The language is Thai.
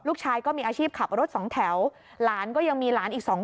ก็มีอาชีพขับรถสองแถวหลานก็ยังมีหลานอีกสองคน